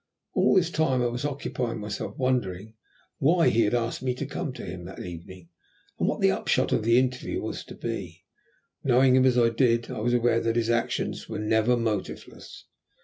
All this time I was occupying myself wondering why he had asked me to come to him that evening, and what the upshot of the interview was to be. Knowing him as I did, I was aware that his actions were never motiveless.